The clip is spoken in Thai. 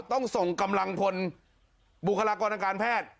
ต้องส่งกำลังพลบุคลากรทางการแพทย์